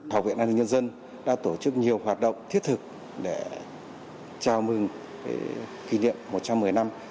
học viện an ninh nhân dân đã tổ chức nhiều hoạt động thiết thực để chào mừng kỷ niệm một trăm một mươi năm